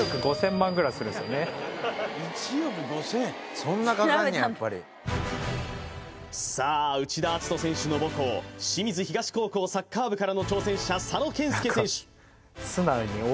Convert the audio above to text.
そんなかかんねややっぱりさあ内田篤人選手の母校清水東高校サッカー部からの挑戦者佐野健友選手